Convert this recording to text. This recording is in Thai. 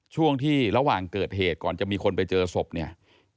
ช่วงที่ระหว่างเกิดเหตุก่อนจะมีคนไปเจอศพเนี่ย